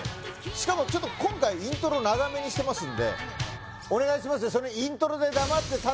しかもちょっと今回イントロ長めにしてますんでお願いしますよ